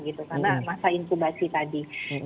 karena masa intubasi tadi